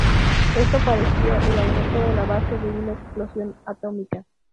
Esto parecía el aumento de la base de una explosión atómica.